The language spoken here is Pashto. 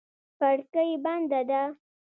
کړکۍ بنده ده.